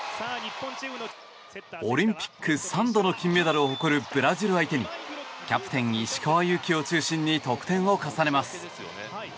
オリンピック３度の金メダルを誇るブラジル相手にキャプテン、石川祐希を中心に得点を重ねます。